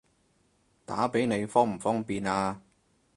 打畀你方唔方便啊？